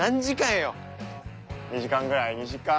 ２時間ぐらい？